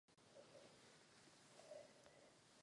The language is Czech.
Ovládací hřídele byly vedeny uvnitř kotle.